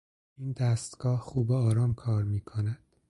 این دستگاه خوب و آرام کار میکند.